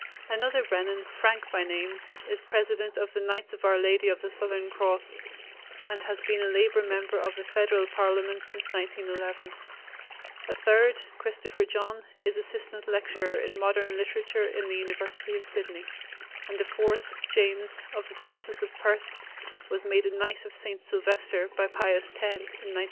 Another Brennan, Frank by name, is president of the Knights of Our Lady of the Southern Cross and has been a labor member of the federal parliament since 1911; a third, Christopher John, is assistant lecturer in modern literature in the University of Sydney; and a fourth, James, of the diocese of Perth, was made a Knight of St. Silvester by Pius X. in 1912.